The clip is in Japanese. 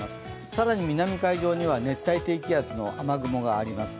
更に南海上には熱帯低気圧の雨雲があります。